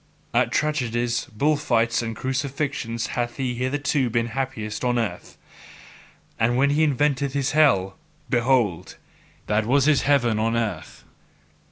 At tragedies, bull fights, and crucifixions hath he hitherto been happiest on earth; and when he invented his hell, behold, that was his heaven on earth.